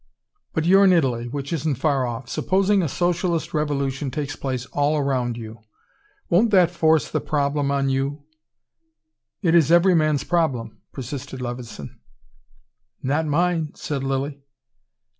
"But you're in Italy, which isn't far off. Supposing a socialist revolution takes place all around you. Won't that force the problem on you? It is every man's problem," persisted Levison. "Not mine," said Lilly.